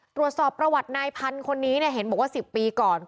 ตรวจสอบประวัตินายพันธุ์คนนี้เนี่ยเห็นบอกว่า๑๐ปีก่อน